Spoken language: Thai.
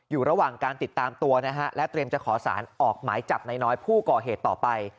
อยู่ระหว่างการติดตามตัวนะฮะและเตรียมจะขอสารออกหมายจับนายน้อยผู้ก่อเหตุต่อไป